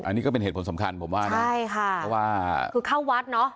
อันนี้ก็เป็นเหตุผลสำคัญผมว่านะใช่ค่ะเพราะว่าคือเข้าวัดเนอะ